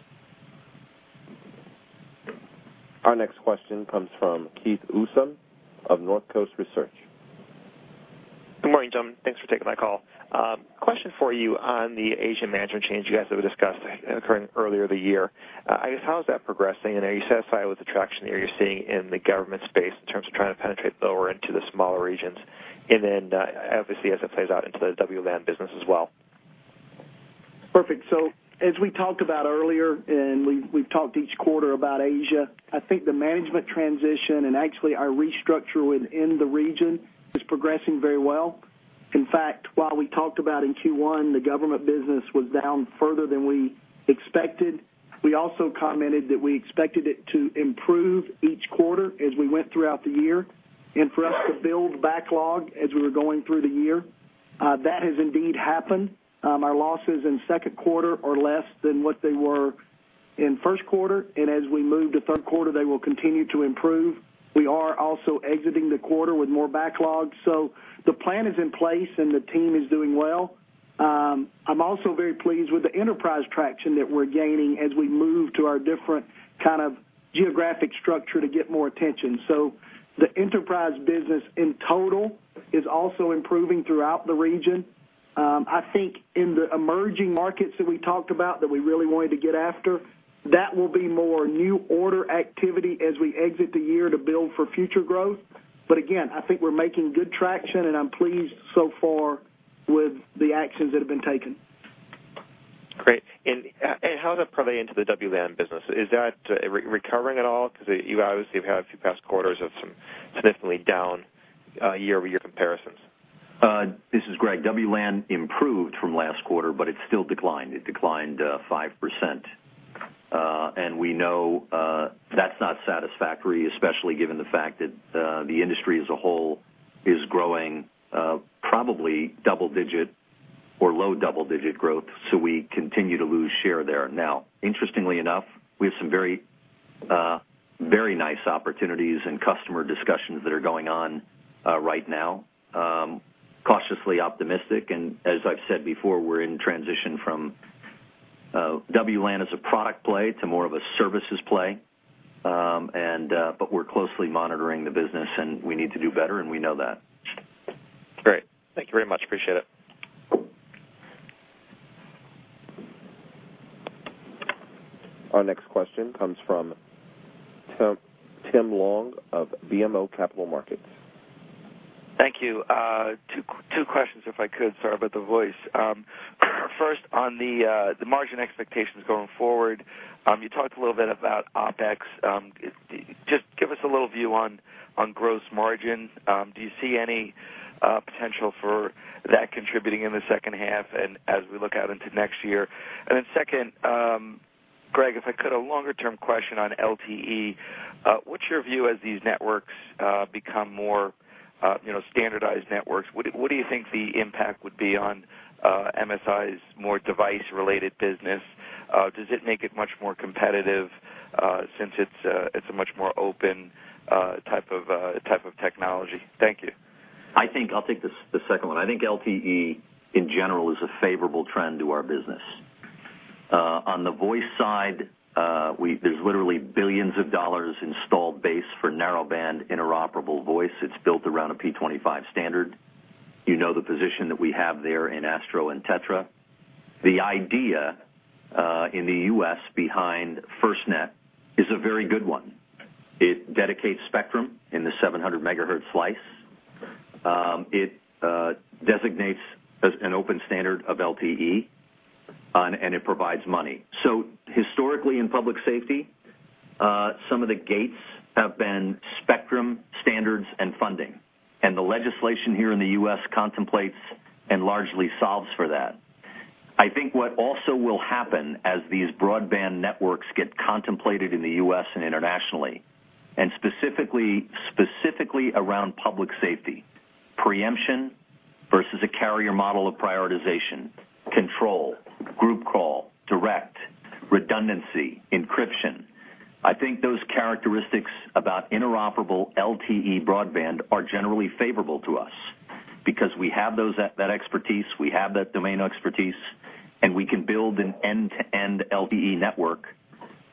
Our next question comes from Keith Housum of North Coast Research. Good morning, gentlemen. Thanks for taking my call. Question for you on the Asian management change you guys have discussed occurring earlier in the year. I guess, how is that progressing, and are you satisfied with the traction that you're seeing in the Government space in terms of trying to penetrate lower into the smaller regions, and then, obviously, as it plays out into the WLAN business as well? Perfect. So as we talked about earlier, and we've talked each quarter about Asia, I think the management transition and actually our restructure within the region is progressing very well. In fact, while we talked about in Q1, the Government business was down further than we expected, we also commented that we expected it to improve each quarter as we went throughout the year, and for us to build backlog as we were going through the year. That has indeed happened. Our losses in second quarter are less than what they were in first quarter, and as we move to third quarter, they will continue to improve. We are also exiting the quarter with more backlogs, so the plan is in place and the team is doing well. I'm also very pleased with the Enterprise traction that we're gaining as we move to our different kind of geographic structure to get more attention. So the Enterprise business in total is also improving throughout the region. I think in the emerging markets that we talked about, that we really wanted to get after, that will be more new order activity as we exit the year to build for future growth. But again, I think we're making good traction, and I'm pleased so far with the actions that have been taken. Great. And how does that play into the WLAN business? Is that recovering at all? Because you obviously have had a few past quarters of some significantly down year-over-year comparisons. This is Greg. WLAN improved from last quarter, but it still declined. It declined 5%. And we know that's not satisfactory, especially given the fact that the industry as a whole is growing probably double-digit or low double-digit growth. So we continue to lose share there. Now, interestingly enough, we have some very very nice opportunities and customer discussions that are going on right now. Cautiously optimistic, and as I've said before, we're in transition from WLAN as a product play to more of a services play. But we're closely monitoring the business, and we need to do better, and we know that. Great. Thank you very much. Appreciate it. Our next question comes from Tim, Tim Long of BMO Capital Markets. Thank you. Two, two questions, if I could. Sorry about the voice. First, on the margin expectations going forward, you talked a little bit about OpEx. Just give us a little view on gross margin. Do you see any potential for that contributing in the second half and as we look out into next year? And then second, Greg, if I could, a longer-term question on LTE. What's your view as these networks become more, you know, standardized networks? What do you think the impact would be on MSI's more device-related business? Does it make it much more competitive, since it's a much more open type of technology? Thank you. I think I'll take the second one. I think LTE, in general, is a favorable trend to our business. On the voice side, we, there's literally billions of dollars installed base for narrowband interoperable voice. It's built around a P25 standard. You know, the position that we have there in ASTRO and TETRA. The idea in the U.S. behind FirstNet is a very good one. It dedicates spectrum in the 700 MHz slice. It designates as an open standard of LTE, and it provides money. So historically, in public safety, some of the gates have been spectrum, standards, and funding, and the legislation here in the U.S. contemplates and largely solves for that. I think what also will happen as these broadband networks get contemplated in the U.S. and internationally, and specifically, specifically around public safety, preemption versus a carrier model of prioritization, control, group call, direct, redundancy, encryption. I think those characteristics about interoperable LTE broadband are generally favorable to us because we have those, that expertise, we have that domain expertise, and we can build an end-to-end LTE network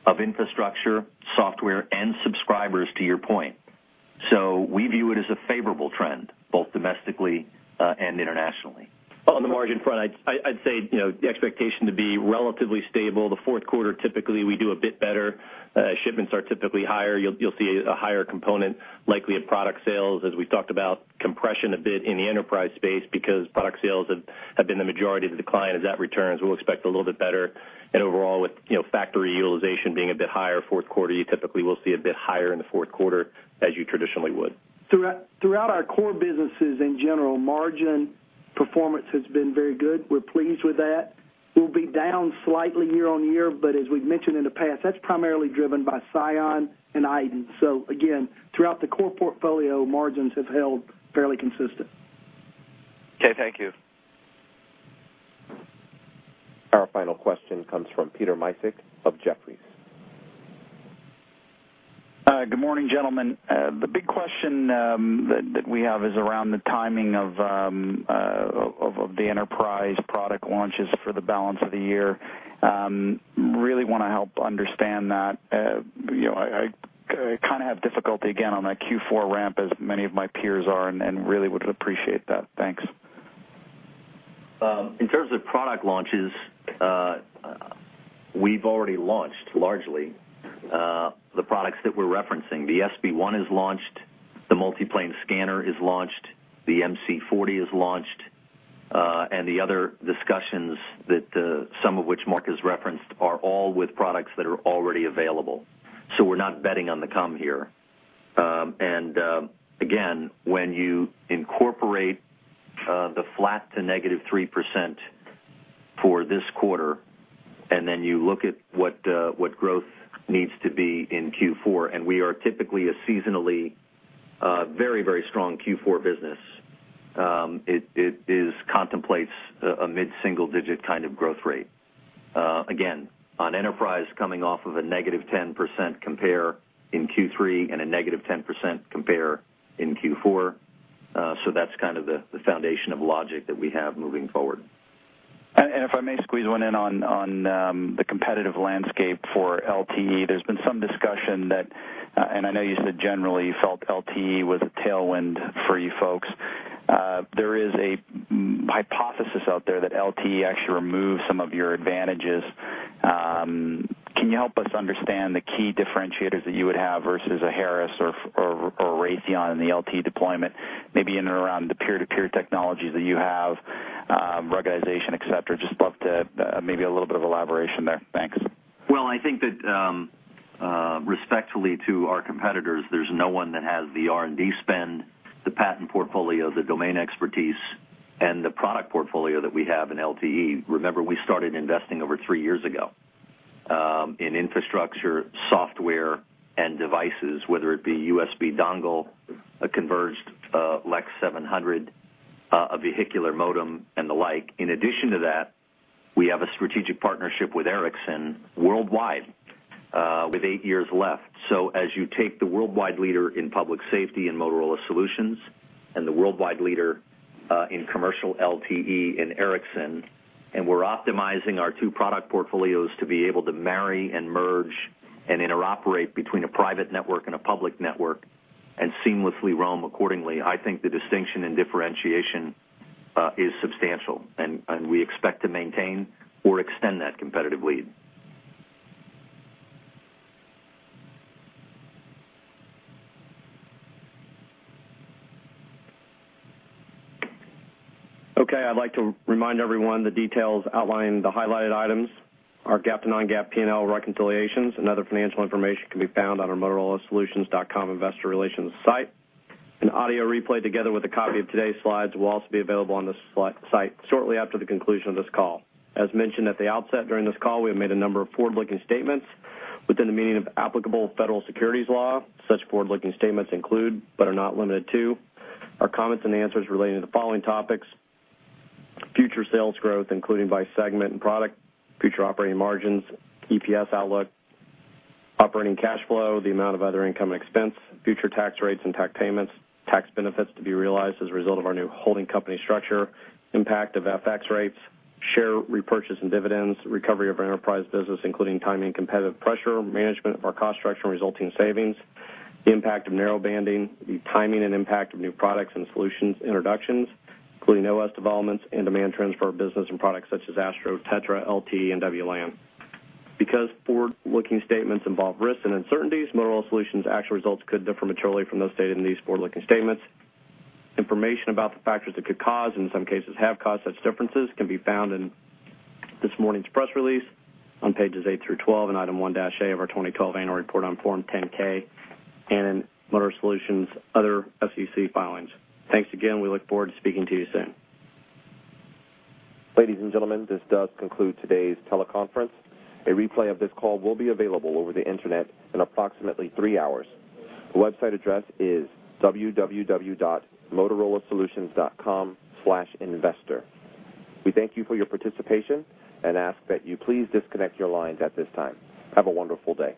of infrastructure, software, and subscribers, to your point. So we view it as a favorable trend, both domestically, and internationally. On the margin front, I'd say, you know, the expectation to be relatively stable. The fourth quarter, typically, we do a bit better. Shipments are typically higher. You'll see a higher component, likely in product sales, as we talked about compression a bit in the Enterprise space because product sales have been the majority of the decline. As that returns, we'll expect a little bit better. Overall, with, you know, factory utilization being a bit higher, fourth quarter, you typically will see a bit higher in the fourth quarter than you traditionally would. Throughout our core businesses in general, margin performance has been very good. We're pleased with that. We'll be down slightly year on year, but as we've mentioned in the past, that's primarily driven by Psion and iDEN. So again, throughout the core portfolio, margins have held fairly consistent. Okay, thank you. Our final question comes from Peter Misek of Jefferies. Good morning, gentlemen. The big question that we have is around the timing of the Enterprise product launches for the balance of the year. Really want to help understand that. You know, I kind of have difficulty again on that Q4 ramp, as many of my peers are, and really would appreciate that. Thanks. In terms of product launches, we've already launched largely the products that we're referencing. The SB1 is launched, the multi-plane scanner is launched, the MC40 is launched, and the other discussions that some of which Mark has referenced are all with products that are already available. So we're not betting on the come here. And again, when you incorporate the flat to negative 3% for this quarter, and then you look at what what growth needs to be in Q4, and we are typically a seasonally very, very strong Q4 business. It contemplates a mid-single-digit kind of growth rate. Again, on Enterprise coming off of a negative 10% compare in Q3 and a negative 10% compare in Q4, so that's kind of the foundation of logic that we have moving forward. If I may squeeze one in on the competitive landscape for LTE. There's been some discussion that, and I know you said generally you felt LTE was a tailwind for you folks. There is a hypothesis out there that LTE actually removes some of your advantages. Can you help us understand the key differentiators that you would have versus a Harris or Raytheon in the LTE deployment, maybe in and around the peer-to-peer technology that you have, ruggedization, et cetera? Just love to maybe a little bit of elaboration there. Thanks. Well, I think that, respectfully to our competitors, there's no one that has the R&D spend, the patent portfolio, the domain expertise, and the product portfolio that we have in LTE. Remember, we started investing over three years ago, in infrastructure, software, and devices, whether it be USB dongle, a converged, LEX 700, a vehicular modem, and the like. In addition to that, we have a strategic partnership with Ericsson worldwide, with eight years left. So as you take the worldwide leader in public safety and Motorola Solutions and the worldwide leader in commercial LTE in Ericsson, and we're optimizing our two product portfolios to be able to marry and merge and interoperate between a private network and a public network and seamlessly roam accordingly, I think the distinction and differentiation is substantial, and we expect to maintain or extend that competitive lead. Okay, I'd like to remind everyone the details outlined in the highlighted items, our GAAP to non-GAAP P&L reconciliations and other financial information can be found on our motorolasolutions.com investor relations site. An audio replay, together with a copy of today's slides, will also be available on this site shortly after the conclusion of this call. As mentioned at the outset, during this call, we have made a number of forward-looking statements within the meaning of applicable federal securities law. Such forward-looking statements include, but are not limited to, our comments and answers relating to the following topics: future sales growth, including by segment and product, future operating margins, EPS outlook, operating cash flow, the amount of other income expense, future tax rates and tax payments, tax benefits to be realized as a result of our new holding company structure, impact of FX rates, share repurchase and dividends, recovery of our Enterprise business, including timing and competitive pressure, management of our cost structure and resulting savings, the impact of narrowbanding, the timing and impact of new products and solutions introductions, including OS developments and demand transfer of business and products such as ASTRO, TETRA, LTE, and WLAN. Because forward-looking statements involve risks and uncertainties, Motorola Solutions' actual results could differ materially from those stated in these forward-looking statements. Information about the factors that could cause, and in some cases, have caused such differences can be found in this morning's press release on pages eight through 12, in Item 1-A of our 2012 annual report on Form 10-K, and in Motorola Solutions' other SEC filings. Thanks again. We look forward to speaking to you soon. Ladies and gentlemen, this does conclude today's teleconference. A replay of this call will be available over the Internet in approximately three hours. The website address is www.motorolasolutions.com/investor. We thank you for your participation and ask that you please disconnect your lines at this time. Have a wonderful day.